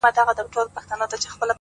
• خبر سوم چي یو څرک یې لېونیو دی میندلی,